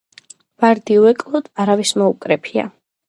ვარდი უეკლოდ არავის მოუკრეფია.